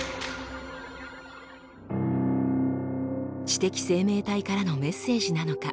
知的生命体からのメッセージなのか。